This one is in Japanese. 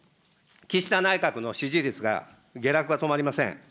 岸田内閣の支持率が下落が止まりません。